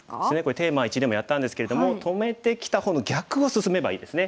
テーマ１でもやったんですけれども止めてきた方の逆を進めばいいですね。